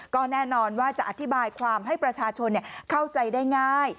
ก็แน่นอนว่าจะอธิบายความให้ประชาชนเข้าใจได้ง่าย